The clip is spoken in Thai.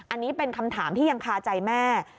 อันนี้เป็นคำถามที่ยังคาใจแม่